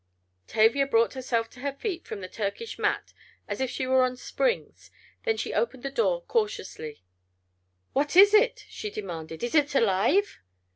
Tavia brought herself to her feet from the Turkish mat as if she were on springs. Then she opened the door cautiously. "What is it?" she demanded. "Is it alive?"